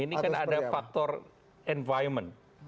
ini kan ada faktor environment